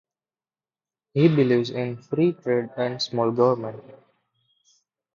He believes in free trade and small government.